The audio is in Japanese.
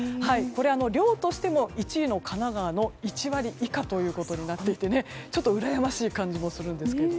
量としても１位の神奈川の１割以下ということになっていてちょっとうらやましい感じもしますが。